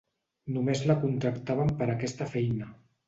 Només la contractaven per aquesta feina.